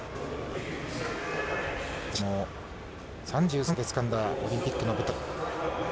ザシナも３３歳でつかんだオリンピックの舞台。